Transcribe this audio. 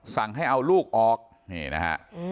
สั่งให้เอาลูกออกนี่นะฮะ